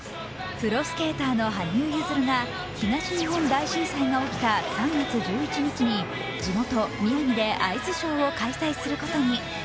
プロスケーターの羽生結弦が東日本大震災が起きた３月１１日に地元・宮城でアイスショーを開催することに。